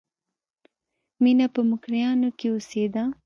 مینه په مکروریانو کې اوسېده